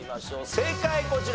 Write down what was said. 正解こちら！